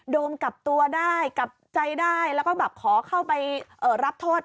โดนกลับตัวได้กลับใจได้แล้วก็แบบขอเข้าไปรับโทษ